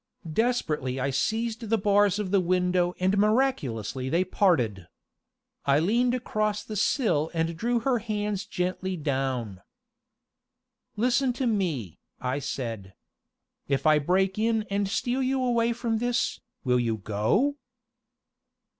Desperately I seized the bars of the window and miraculously they parted. I leaned across the sill and drew her hands gently down. "Listen to me," I said. "If I break in and steal you away from this, will you go?"